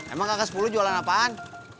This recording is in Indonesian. emang kakak sepuluh jualan apaan